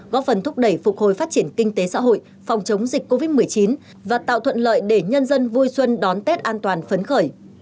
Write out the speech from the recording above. góp phần thúc đẩy phục hồi phát triển kinh tế xã hội phòng chống dịch covid một mươi chín và tạo thuận lợi để nhân dân vui xuân đón tết an toàn phấn khởi